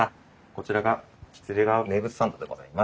こちらが喜連川名物サンドでございます。